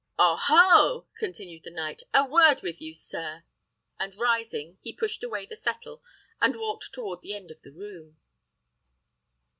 "Oh, ho!" continued the knight, "a word with you, sir;" and rising, he pushed away the settle, and walked towards the end of the room.